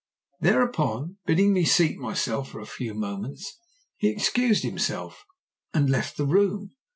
Thereupon, bidding me seat myself for a few moments, he excused himself and left the room.